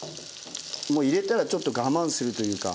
もう入れたらちょっと我慢するというか。